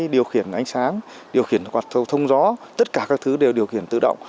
điều khiển ánh sáng điều khiển quạt thâu thông gió tất cả các thứ đều điều khiển tự động